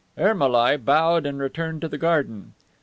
Ermolai bowed and returned to the garden.